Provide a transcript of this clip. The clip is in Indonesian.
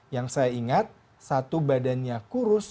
yang saya ingat satu badannya kurus